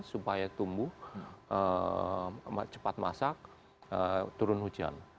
supaya tumbuh cepat masak turun hujan